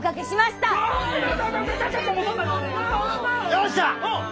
よっしゃ！